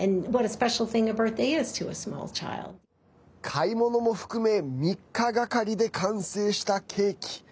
買い物も含め３日がかりで完成したケーキ。